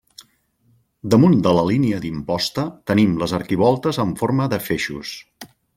Damunt de la línia d'imposta tenim les arquivoltes amb forma de feixos.